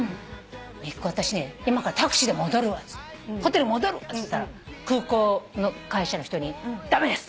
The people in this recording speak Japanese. めいっ子私ね今からタクシーで戻るわっつってホテル戻るっつったら空港の会社の人に「駄目です。